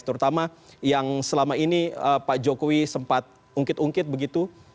terutama yang selama ini pak jokowi sempat ungkit ungkit begitu